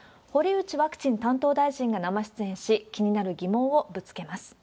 堀内ワクチン担当大臣が生出演し、気になる疑問をぶつけます。